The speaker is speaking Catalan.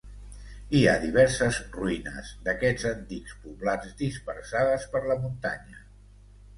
Hi ha diverses ruïnes d'aquests antics poblats dispersades per la muntanya.